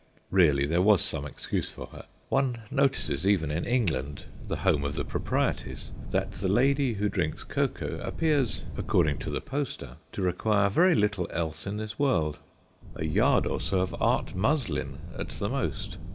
Really, there was some excuse for her. One notices, even in England, the home of the proprieties, that the lady who drinks cocoa appears, according to the poster, to require very little else in this world; a yard or so of art muslin at the most.